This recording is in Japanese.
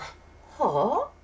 はあ？